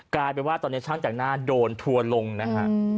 กลายเป็นว่าตอนนี้ช่างแต่งหน้าโดนทัวร์ลงนะฮะ